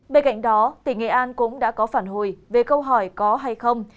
bên cạnh đó tỉnh nghệ an cũng đã có phản hồi về câu hỏi có hay không